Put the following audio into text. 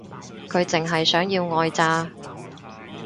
佢淨係想要愛咋